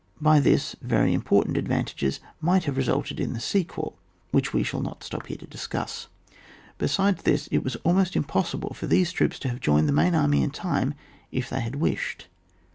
By this, very important advantages might have resulted in the sequel, which we shall not stop here to discuss ; besides this, it was ahnost im possible for these troops to have joined the main army in time if they had wished.